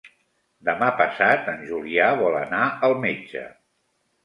Demà passat en Julià vol anar al metge.